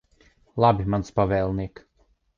Labi, mans pavēlniek.